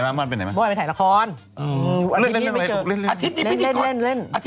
ไม่ได้วันนี้วันอังคาร